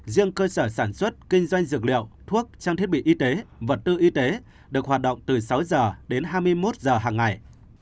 riêng cơ sở sản xuất kinh doanh dược liệu thuốc trang thiết bị y tế vật tư y tế được hoạt động từ sáu h đến hai mươi một h hàng ngày